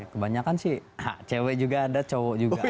kebanyakan sih cewek juga ada cowok juga